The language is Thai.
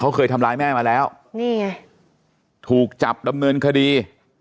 เขาเคยทำร้ายแม่มาแล้วนี่ไงถูกจับดำเนินคดี